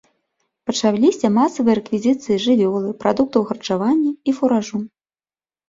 Пачаліся масавыя рэквізіцыі жывёлы, прадуктаў харчавання і фуражу.